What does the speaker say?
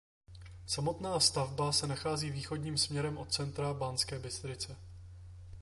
Samotná stavba se nachází východním směrem od centra Banské Bystrice.